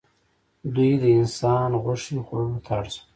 دوی د انسان غوښې خوړلو ته اړ شول.